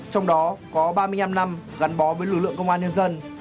trong đó có ba mươi năm năm gắn bó với lực lượng công an nhân dân